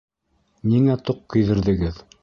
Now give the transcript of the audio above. Ниңә тоҡ кейҙерҙегеҙ?